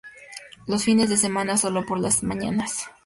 Los fines de semana, sólo por las mañanas.